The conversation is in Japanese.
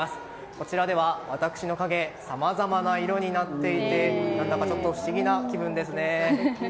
こちらでは私の影さまざまな色になっていて何だかちょっと不思議な気分ですね。